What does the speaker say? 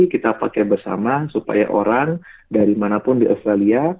kita pakai bersama supaya orang dari manapun di australia